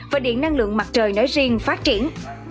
và điện năng lượng mặt trời nói riêng phát triển